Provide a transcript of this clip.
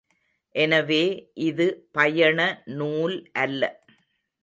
எனவே இது பயண நூல் அல்ல.